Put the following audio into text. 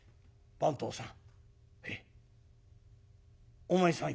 番頭さん